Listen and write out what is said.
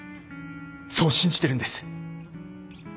そう信じてるんです。